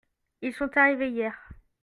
Ils sont arrivés hier.